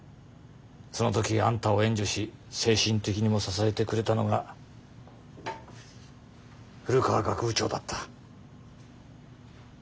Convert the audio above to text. その時あんたを援助し精神的にも支えてくれたのが古川学部長だった。